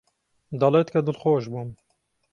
دەڵێت کە دڵخۆش بووم.